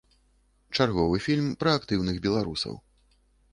Чарговы фільм пра актыўных беларусаў.